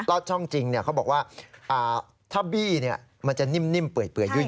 อดช่องจริงเขาบอกว่าถ้าบี้มันจะนิ่มเปื่อยยุ่ย